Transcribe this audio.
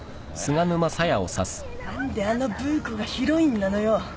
何であのブー子がヒロインなのよ！？